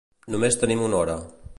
Només tenim una hora.